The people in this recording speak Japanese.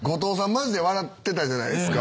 マジで笑ってたじゃないですか。